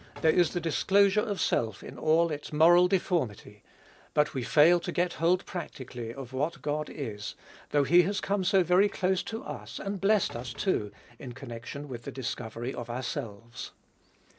There is the disclosure of self in all its moral deformity; but we fail to get hold practically of what God is, though he has come so very close to us, and blessed us, too, in connection with the discovery of ourselves.